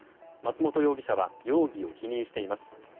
松本容疑者は容疑を否認しています。